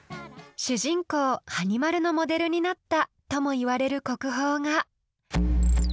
主人公・はに丸のモデルになったともいわれる国宝が。